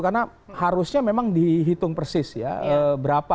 karena harusnya memang dihitung persis ya berapa